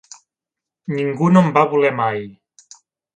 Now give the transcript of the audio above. Ningú no em va voler mai.